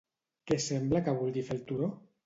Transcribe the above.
Què sembla que vulgui fer el turó?